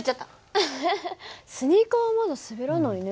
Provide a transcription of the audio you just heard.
アハハスニーカーはまだ滑らないね。